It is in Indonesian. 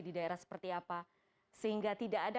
di daerah seperti apa sehingga tidak ada